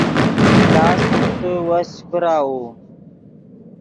پلاس سوکتے وس چے پراؤو